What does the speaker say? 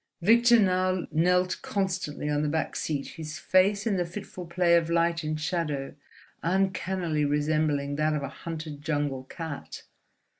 Victor now knelt constantly on the back seat, his face in the fitful play of light and shadow uncannily resembling that of a hunted jungle cat.